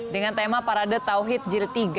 dengan tema parade tauhid jilid tiga